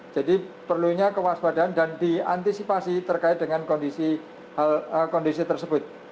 jadi perlunya kewaspadaan dan diantisipasi terkait dengan kondisi tersebut